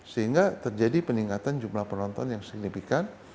sehingga terjadi peningkatan jumlah penonton yang signifikan